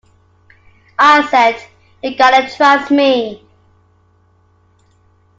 I said, You gotta trust me.